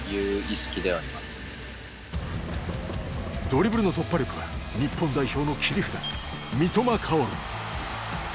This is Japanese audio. ドリブルの突破力は日本代表の切り札